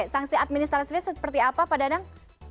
sanksi administrasinya seperti apa pak dadang